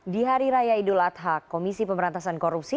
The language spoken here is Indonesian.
di hari raya idul adha komisi pemberantasan korupsi